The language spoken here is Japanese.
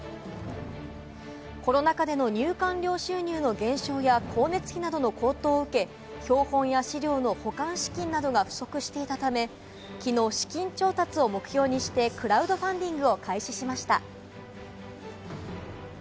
コロナ禍での入館料収入の減少や光熱費などの高騰を受け、標本や資料の保管資金などが不足していたため、きのう資金調達を目標にして、クラウドファンディングを開始しました。